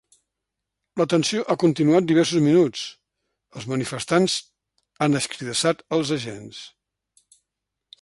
La tensió ha continuat diversos minuts, els manifestants han escridassat els agents.